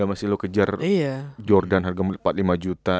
gak mesti lu kejar jordan harga beli empat puluh lima juta